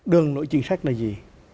đường nội chính sách là gì